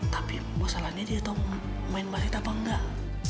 tapi masalahnya dia tau main basket apa enggak